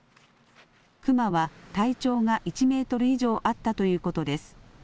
クマは体長が１メートル以上あったということです。